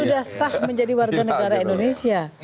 sudah sah menjadi warga negara indonesia